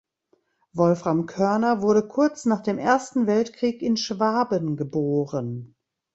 Wolfram Körner wurde kurz nach dem Ersten Weltkrieg in Schwaben geboren.